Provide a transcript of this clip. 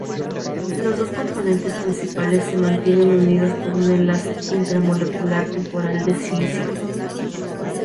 Los dos componentes principales se mantienen unidos por un enlace intramolecular temporal de silicio.